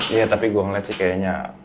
iya tapi gue ngeliat sih kayaknya